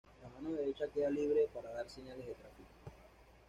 La mano derecha queda libre para dar señales de tráfico.